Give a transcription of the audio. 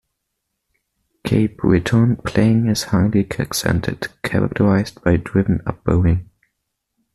Cape Breton playing is highly accented, characterized by driven up-bowing.